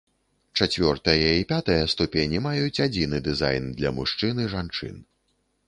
Чацвёртая і пятая ступені маюць адзіны дызайн для мужчын і жанчын.